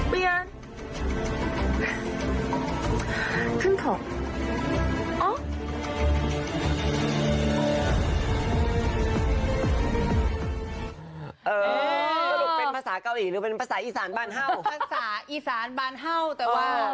ผูสมธุ์เป็นภาษาเกาหลีหรือเป็นภาษาอีทธานบ้านเห้าเพราะว่า